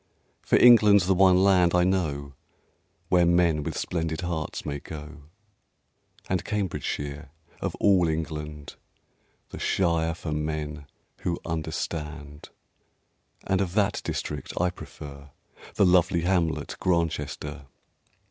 For England's the one land, I know, Where men with Splendid Hearts may go; And Cambridgeshire, of all England, The shire for Men who Understand; And of that district I prefer The lovely hamlet Grantchester.